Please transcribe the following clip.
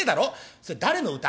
「それ誰の歌？」。